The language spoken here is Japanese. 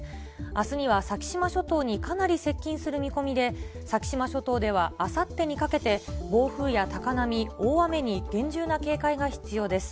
あすには先島諸島にかなり接近する見込みで、先島諸島ではあさってにかけて暴風や高波、大雨に厳重な警戒が必要です。